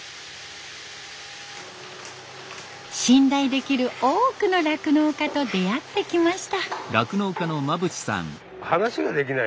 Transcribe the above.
信頼できる多くの酪農家と出会ってきました。